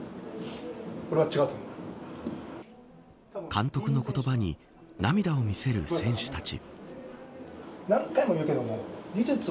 監督の言葉に涙を見せる選手たち。